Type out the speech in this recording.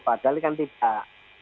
padahal ini kan tidak